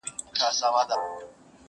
o چي سر دي نه خوږېږي، داغ مه پر ايږده!